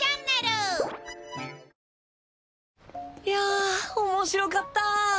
いや面白かった！